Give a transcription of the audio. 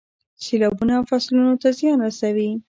سیلابونه فصلونو ته زیان رسوي.